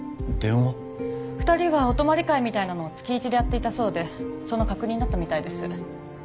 ２人はお泊まり会みたいなのを月イチでやっていたそうでその確認だったみたいです。